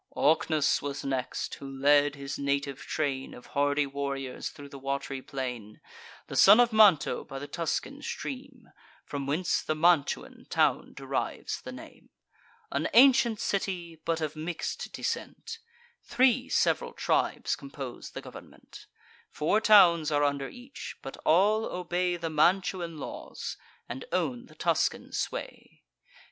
Ocnus was next, who led his native train Of hardy warriors thro' the wat'ry plain: The son of Manto by the Tuscan stream, From whence the Mantuan town derives the name— An ancient city, but of mix'd descent: Three sev'ral tribes compose the government; Four towns are under each; but all obey The Mantuan laws, and own the Tuscan sway.